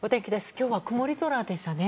今日は曇り空でしたね。